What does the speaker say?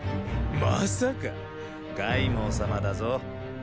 まさか凱孟様だぞ。